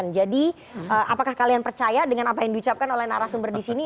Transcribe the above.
jadi apakah kalian percaya dengan apa yang dicapkan oleh narasumber di sini